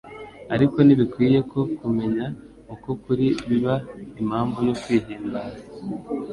Ariko ntibikwiye ko kumenya uko kuri biba impamvu yo kwihimbaza.